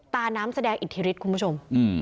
ตาน้ำแสดงอิทธิฤทธิ์คุณผู้ชม